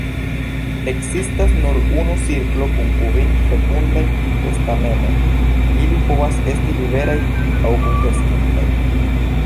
Ekzistas nur unu cirklo kun kvin fekundaj stamenoj; ili povas esti liberaj aŭ kunkreskintaj.